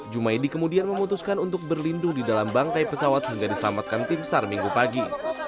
⁇ maidi kemudian memutuskan untuk berlindung di dalam bangkai pesawat hingga diselamatkan tim sar minggu pagi